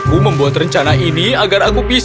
kau bodoh tidak disini memiliki yang lain dari kl birds